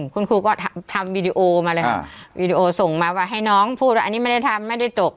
คุณครูก็ทำวีดีโอมาเลยครับวีดีโอส่งมาว่าให้น้องพูดว่าอันนี้ไม่ได้ทำไม่ได้ตก